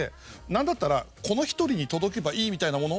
なんだったらこの１人に届けばいいみたいなもの